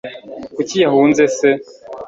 kuki yahunze se